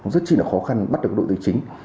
rất chi là khó khăn bắt được đối tượng chính